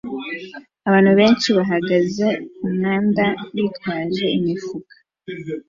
Abantu benshi bahagaze kumwanda bitwaje imifuka